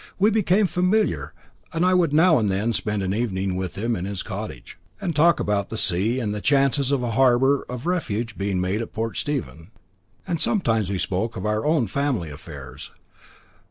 We became familiar, and I would now and then spend an evening with him in his cottage, and talk about the sea, and the chances of a harbour of refuge being made at Portstephen, and sometimes we spoke of our own family affairs.